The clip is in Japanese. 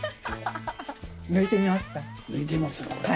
抜いてみますね。